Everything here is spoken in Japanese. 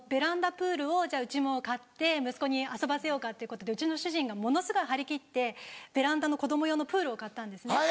プールをうちも買って息子に遊ばせようかということでうちの主人がものすごい張り切ってベランダの子供用のプールを買ったんですね。